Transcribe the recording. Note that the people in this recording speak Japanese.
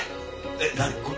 えっ何？